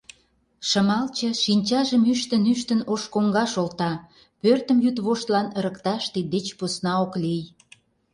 Шымалче, шинчажым ӱштын-ӱштын, ош коҥгаш олта — пӧртым йӱдвоштлан ырыкташ тиддеч посна ок лий.